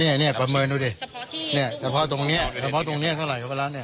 นี่นี่นี่ประเมินดูดินี่เฉพาะตรงเนี้ยเฉพาะตรงเนี้ยเท่าไหร่เข้าไปแล้วเนี้ย